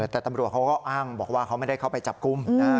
แต่ตำรวจเขาก็อ้างบอกว่าเขาไม่ได้เข้าไปจับกลุ่ม